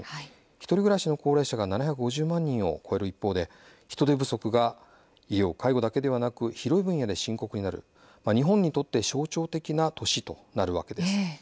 １人暮らしの高齢者が７５０万人を超える一方で人手不足が医療介護だけでなく広い分野で深刻になる日本にとって象徴的な年となるわけです。